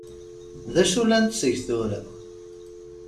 D acu la netteg tura?